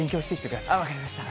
分かりました。